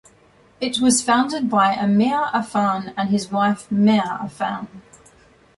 It was founded by Emyr Afan and his wife Mair Afan.